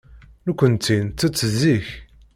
Nekkenti nettett zik.